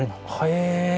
へえ。